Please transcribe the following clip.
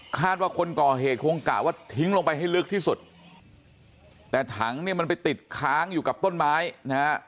คาดว่าคนก่อเหตุคงกะว่าทิ้งลงไปให้ลึกที่สุดแต่ถังเนี่ยมันไปติดค้างอยู่กับต้นไม้นะฮะ